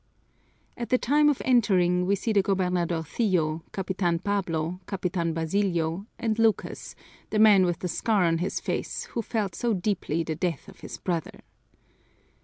At the time of entering we see the gobernadorcillo, Capitan Pablo, Capitan Basilio, and Lucas, the man with the sear on his face who felt so deeply the death of his brother.